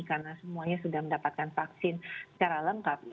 karena semuanya sudah mendapatkan vaksin secara lengkap